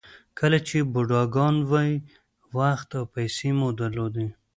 کله چې بوډاګان وئ وخت او پیسې مو درلودې.